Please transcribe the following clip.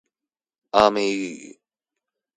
阿美語